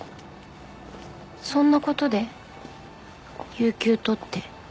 そんなことで有給取って。